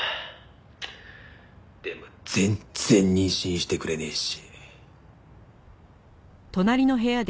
でも全然妊娠してくれねえし。